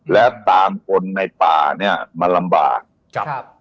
และตามคนในป่าเนี่ยมันลำบาก